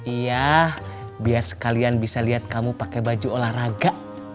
iya biar sekalian bisa lihat kamu pakai baju olahraga